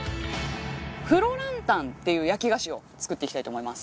フロランタンっていう焼き菓子を作っていきたいと思います。